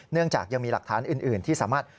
จากยังมีหลักฐานอื่นที่สามารถ